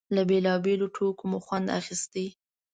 له بېلابېلو ټوکو مو خوند اخيست.